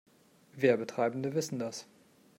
Werbetreibende wissen das.